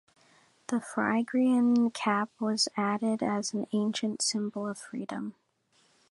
The Phrygian cap was added as an ancient symbol of freedom.